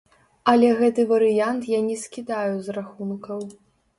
Але гэты варыянт я не скідаю з рахункаў.